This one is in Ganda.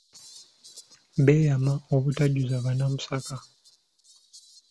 Beeyama obutajuza bannamasaka.